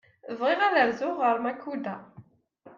Bɣiɣ ad rzuɣ ɣer Makuda.